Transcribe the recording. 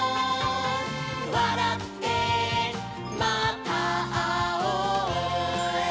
「わらってまたあおう」